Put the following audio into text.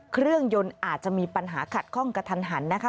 เครื่องยนต์อาจจะมีปัญหาขัดข้องกระทันหันนะคะ